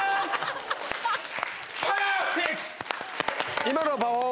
パーフェクト！